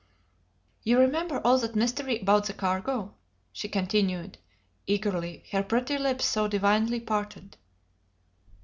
"You remember all that mystery about the cargo?" she continued eagerly, her pretty lips so divinely parted!